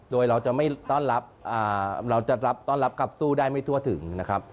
โดยเราจะต้อนรับกลับสู้ได้ไม่ทั่วถึงนะครับ